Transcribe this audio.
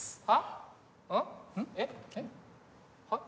はっ？